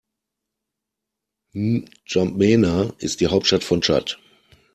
N’Djamena ist die Hauptstadt von Tschad.